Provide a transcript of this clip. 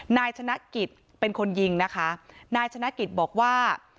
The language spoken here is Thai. นายชนะกิจเป็นคนยิงนะคะนายชนะกิจบอกว่า